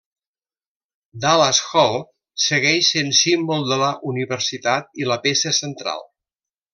Dallas Hall segueix sent símbol de la universitat i la peça central.